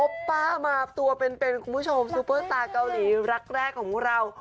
ป้ามาตัวเป็นคุณผู้ชมซูเปอร์สตาร์เกาหลีรักแรกของพวกเรา